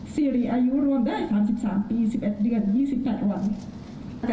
สิริอายุรวมได้๓๓ปี๑๑เดือน๒๘วัน